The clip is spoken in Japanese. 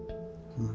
うん。